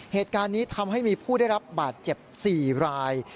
เหตุการณ์นี้ทำให้มีผู้ได้รับบาดเจ็บ๔ราย